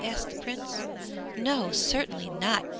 asked the Prince. 'No, certainly not!'